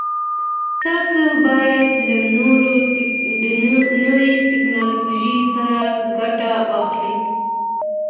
تاسو باید له نوي ټکنالوژۍ څخه ګټه واخلئ.